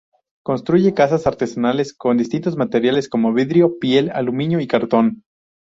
Construye casas artesanales con distintos materiales como vidrio, piel, aluminio y cartón.